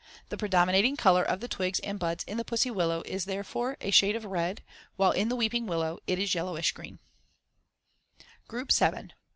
The predominating color of the twigs and buds in the pussy willow is therefore a shade of red, while in the weeping willow it is yellowish green. GROUP VII.